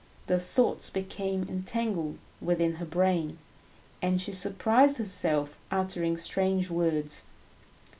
The thoughts became entangled within her brain, and she surprised herself uttering strange words.